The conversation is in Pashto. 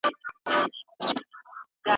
موږ پرون په سیند کي وګرځېدو.